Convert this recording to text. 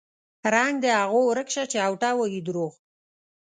رنګ د هغو ورک شه چې اوټه وايي دروغ